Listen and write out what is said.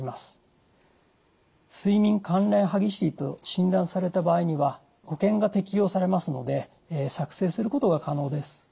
睡眠関連歯ぎしりと診断された場合には保険が適用されますので作成することが可能です。